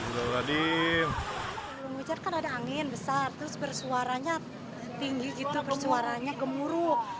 sebelum hujan kan ada angin besar terus bersuaranya tinggi gitu bersuaranya gemuruh